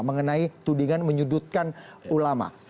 mengenai tudingan menyudutkan ulama